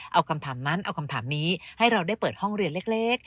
เอาคำถามนั้นเอาคำถามนี้ให้เราได้เปิดห้องเรียนเล็ก